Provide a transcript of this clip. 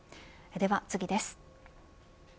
では次です。